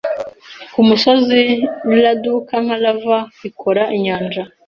kumusozi iraduka nka lava ikora inyanja